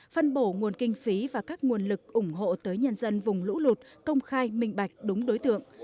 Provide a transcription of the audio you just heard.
phân bổ nguồn kinh phí và các nguồn lực ủng hộ tới nhân dân vùng lũ lụt công khai minh bạch đúng đối tượng